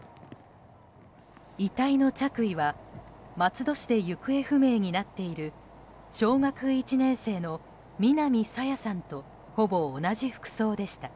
遺体の着衣は松戸市で行方不明になっている小学１年生の南朝芽さんとほぼ同じ服装でした。